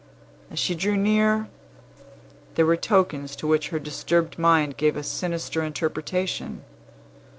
As she drew near, there were tokens to which her disturbed mind gave a sinister interpretation.